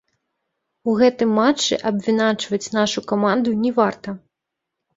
У гэтым матчы абвінавачваць нашу каманду не варта.